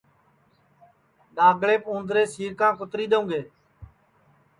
ڈؔاگݪیپ اُوندرے سِیرکاں کُتری دؔیؤں گے